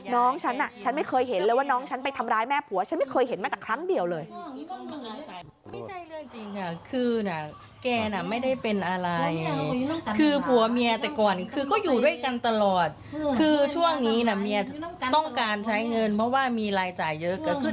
น้องฉันฉันไม่เคยเห็นเลยว่าน้องฉันไปทำร้ายแม่ผัว